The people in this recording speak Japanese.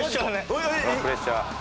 プレッシャーだね。